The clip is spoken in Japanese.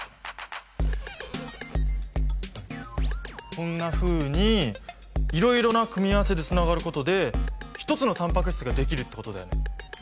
こんなふうにいろいろな組み合わせでつながることで一つのタンパク質ができるってことだよ。